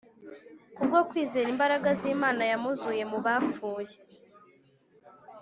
ku bwo kwizera imbaraga z’Imana yamuzuye mu bapfuye